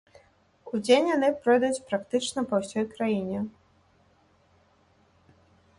Удзень яны пройдуць практычна па ўсёй краіне.